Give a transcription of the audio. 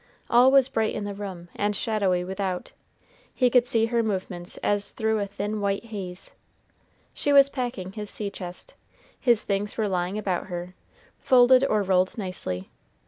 All was bright in the room, and shadowy without; he could see her movements as through a thin white haze. She was packing his sea chest; his things were lying about her, folded or rolled nicely.